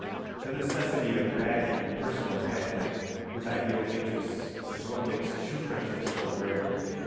] The necessity of backing personal attachment with ideal interests is what makes true friendship so rare.